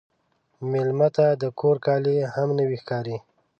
مېلمه ته د کور کالي هم نوی ښکاري.